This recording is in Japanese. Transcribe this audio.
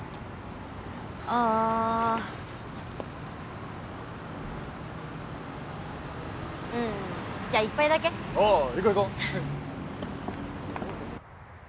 あうんじゃあ１杯だけおう行こう行こう